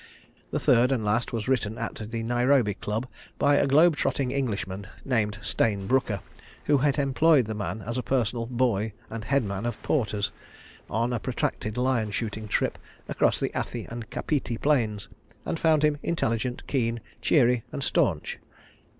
The third and last was written at the Nairobi Club by a globe trotting Englishman named Stayne Brooker, who had employed the man as personal "boy" and headman of porters, on a protracted lion shooting trip across the Athi and Kapiti Plains and found him intelligent, keen, cheery, and staunch.